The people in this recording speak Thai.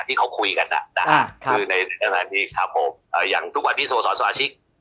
ที่เขาคุยกันอ่ะนะฮะคือในครับผมเอ่ออย่างทุกวันที่ส่วนสอนสมาชิก